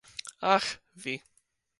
Aĥ, vi.